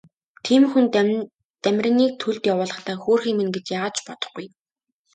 Тийм хүн Дамираныг төлд явуулахдаа хөөрхий минь гэж яагаад ч бодохгүй.